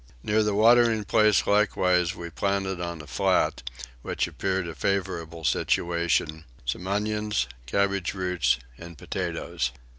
Near the watering place likewise we planted on a flat, which appeared a favourable situation, some onions, cabbage roots, and potatoes.